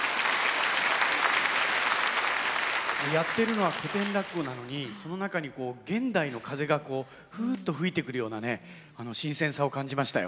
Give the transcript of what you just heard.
やってるのは古典落語なのにその中に現代の風がこうふっと吹いてくるようなね新鮮さを感じましたよ。